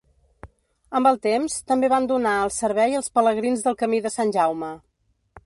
Amb el temps, també van donar el servei als pelegrins del Camí de Sant Jaume.